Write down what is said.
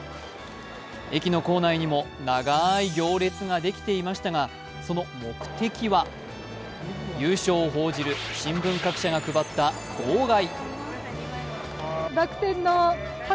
駅の構内にも長い行列ができていましたが、その目的は優勝を報じる新聞各社が配った号外。